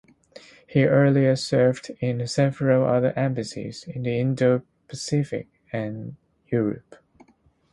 He earlier served in several other embassies in the Indo Pacific and Europe.